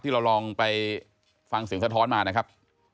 เราลองไปฟังเสียงสะท้อนมานะครับ